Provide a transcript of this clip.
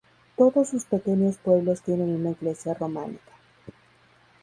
Todos sus pequeños pueblos tienen una iglesia románica.